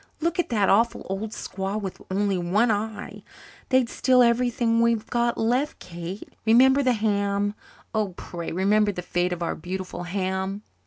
Look at that awful old squaw with only one eye. They'd steal everything we've got left, Kate. Remember the ham oh, pray remember the fate of our beautiful ham."